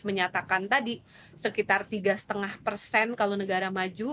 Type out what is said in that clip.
menyatakan tadi sekitar tiga lima persen kalau negara maju